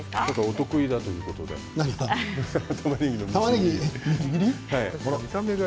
お得意だということでたまねぎが。